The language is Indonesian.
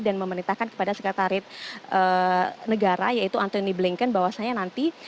dan memerintahkan kepada sekretariat negara yaitu antony blinken bahwasannya nanti